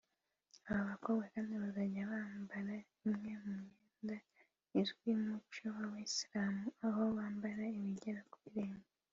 Aba bakobwa kandi bazajya bambara imwe mu myenda izwi mu co w’abayisilamu aho bambara ibigera ku birenge